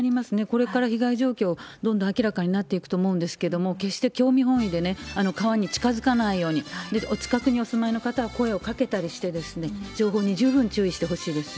これから被害状況、どんどん明らかになっていくと思うんですけれども、決して興味本位で川に近づかないように、お近くにお住まいの方は声をかけたりして、情報に十分注意してほしいです。